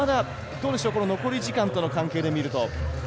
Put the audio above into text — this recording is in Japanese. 残り時間との関係で見ると。